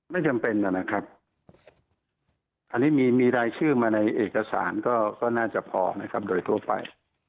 ไม่จำเป็นนะครับอันนี้มีรายชื่อมาในเอกสารก็น่าจะพอนะครับโดยทั่วไป